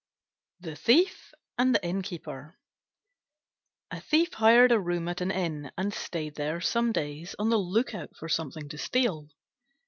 THE THIEF AND THE INNKEEPER A Thief hired a room at an inn, and stayed there some days on the look out for something to steal.